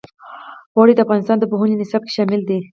اوړي د افغانستان د پوهنې نصاب کې شامل دي.